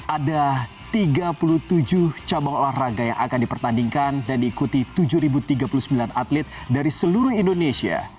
ada tiga puluh tujuh cabang olahraga yang akan dipertandingkan dan diikuti tujuh tiga puluh sembilan atlet dari seluruh indonesia